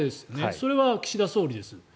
それは岸田総理です。